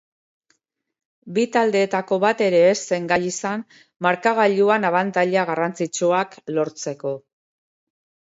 Bi taldeetako bat ere ez zen gai izan markagailuan abantaila garrantzitsuak lortzeko.